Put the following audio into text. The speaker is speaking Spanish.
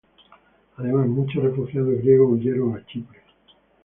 Además, muchos refugiados griegos huyeron a Chipre.